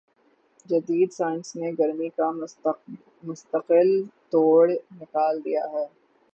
جدید سائنس نے گرمی کا مستقل توڑ نکال دیا ہے